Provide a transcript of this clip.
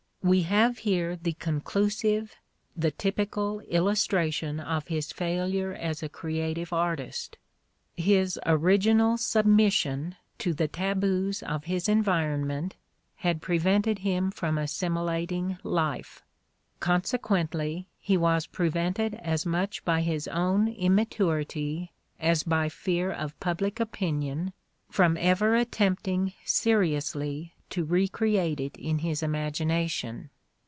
We have here the conclusive, the typical, illustration of his failure as a creative artist. His original submission to K 4he taboos of his environment had prevented him from [/ assimilating life : consequently, he was prevented as much by his own immaturity as by fear of public opinion from ever attempting seriously to recreate it in his imagination.